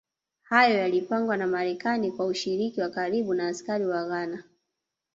Hayo yalipangwa na Marekani kwa ushiriki wa karibu na askari wa Ghana